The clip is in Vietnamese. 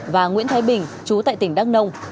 và nguyễn thái bình chú tại tỉnh đắk nông